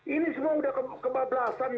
ini semua sudah kebablasan